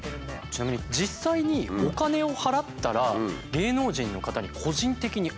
ちなみに実際にお金を払ったら芸能人の方に個人的に会える。